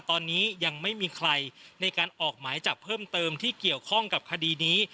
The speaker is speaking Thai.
ตอนนี้ยังไม่มีใครในการออกหมายจับเพิ่มเติมที่เกี่ยวข้องกับคดีนี้